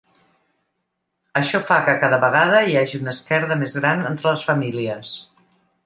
Això fa que cada vegada hi hagi una esquerda més gran entre les famílies.